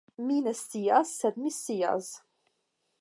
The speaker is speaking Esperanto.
Mi ne scias sed mi scias